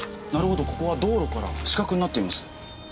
なるほどここは道路から死角になっています。